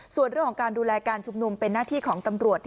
ส่วนเรื่องของการดูแลการชุมนุมเป็นหน้าที่ของตำรวจ